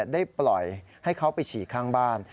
ได้ปล่อยให้เขาไปฉี่ข้างบ้าน